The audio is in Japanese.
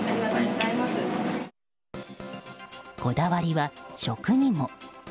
こだわりは食にも。